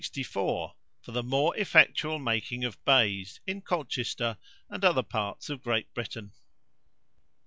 64. For the more effectual making of baize, in Colchester and other parts of Great Britain.